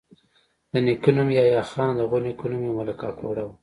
د نیکه نوم یحيی خان او د غورنیکه نوم یې ملک اکوړه وو